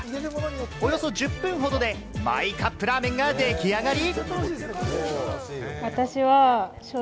およそ１０分ほどで、マイカップラーメンができあがり。